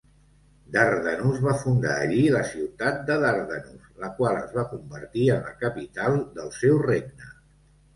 Dardanus va fundar allí la ciutat de Dardanus, la qual es va convertir en la capital del seu regne.